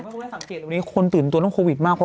แบบสังเกตวันนี้คนตื่นตัวต้องโควิดมาก